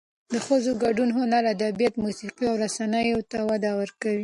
د ښځو ګډون هنر، ادبیات، موسیقي او رسنیو ته وده ورکوي.